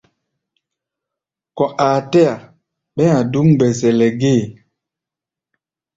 Kɔ̧ aa tɛ́-a ɓɛɛ́ a̧ dúk mgbɛzɛlɛ gée.